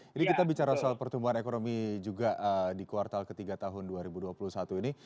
jadi kita bicara soal pertumbuhan ekonomi juga di kuartal ketiga tahun dua ribu dua puluh satu ini